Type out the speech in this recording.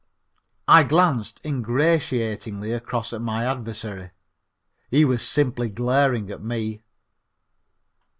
I glanced ingratiatingly across at my adversary. He was simply glaring at me.